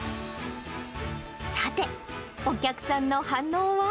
さて、お客さんの反応は。